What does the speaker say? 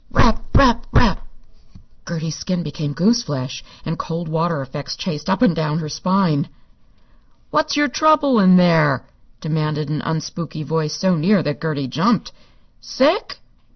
"Rap rap rap!" Gertie's skin became goose flesh, and coldwater effects chased up and down her spine. "What's your trouble in there?" demanded an unspooky voice so near that Gertie jumped. "Sick?"